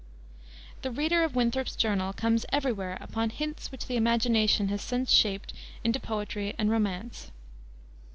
The reader of Winthrop's Journal comes every where upon hints which the imagination has since shaped into poetry and romance.